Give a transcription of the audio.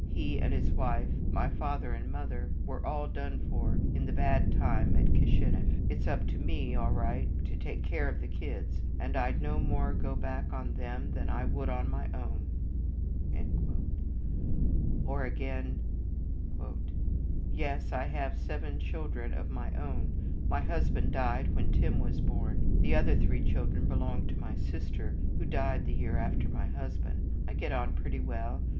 He and his wife, my father and mother, were all done for in the bad time at Kishinef. It's up to me all right to take care of the kids, and I'd no more go back on them than I would on my own." Or, again: "Yes, I have seven children of my own. My husband died when Tim was born. The other three children belong to my sister, who died the year after my husband. I get on pretty well.